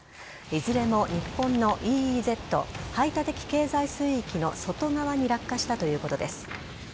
いずれも日本のＥＥＺ＝排他的経済水域の外側に落下したということです。